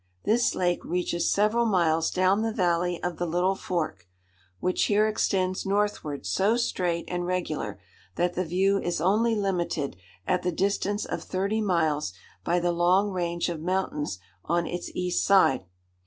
This lake reaches several miles down the valley of the Little Fork, which here extends northward so straight and regular, that the view is only limited at the distance of thirty miles by the long range of mountains on its east side.